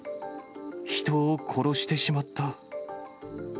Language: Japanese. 人を殺してしまった。